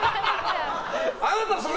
あなたそれ！